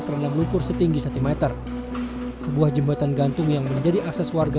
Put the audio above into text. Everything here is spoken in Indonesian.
terendam lukur setinggi satimeter sebuah jembatan gantung yang menjadi akses warga